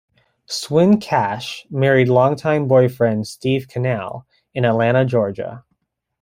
Swin Cash married longtime boyfriend Steve Canal in Atlanta, Georgia.